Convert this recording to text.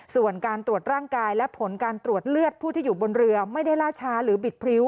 ส่วนการตรวจร่างกายและผลการตรวจเลือดผู้ที่อยู่บนเรือไม่ได้ล่าช้าหรือบิดพริ้ว